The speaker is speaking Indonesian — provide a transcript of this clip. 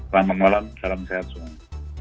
selamat malam salam sehat semua